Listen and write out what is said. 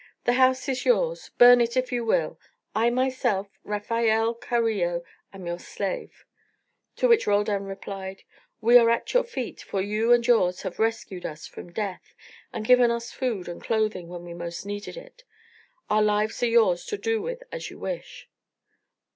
"The house is yours. Burn it if you will. I, myself, Rafael Carillo, am your slave." To which Roldan replied: "We are at your feet, for you and yours have rescued us from death and given us food and clothing when we most needed it. Our lives are yours to do with as you wish."